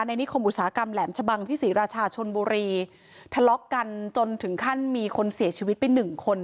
นิคมอุตสาหกรรมแหลมชะบังที่ศรีราชาชนบุรีทะเลาะกันจนถึงขั้นมีคนเสียชีวิตไปหนึ่งคน